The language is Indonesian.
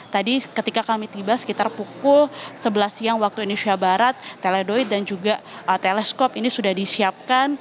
tadi ketika kami tiba sekitar pukul sebelas siang waktu indonesia barat teledoid dan juga teleskop ini sudah disiapkan